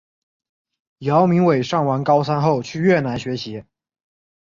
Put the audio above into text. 姚明伟上完高三后去越南学习。